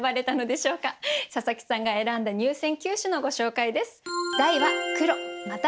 佐佐木さんが選んだ入選九首のご紹介です。